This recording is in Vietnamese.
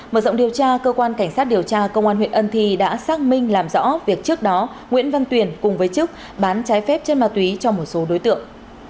mở rộng điều tra cơ quan cảnh sát điều tra công an huyện ân thi đã xác minh làm rõ việc trước đó nguyễn văn tuyền cùng với trúc bán trái phép chân ma túy cho một số đối tượng